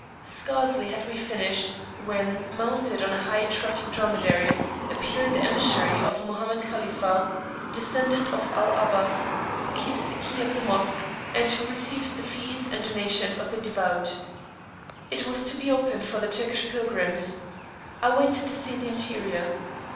Scarcely had we finished, when, mounted on a high trotting dromedary, appeared the emissary of Mohammed Kalifah, descendant of Al Abbas, who keeps the key of the Mosque, and who receives the fees and donations of the devout. It was to be opened for the Turkish pilgrims. I waited to see the interior.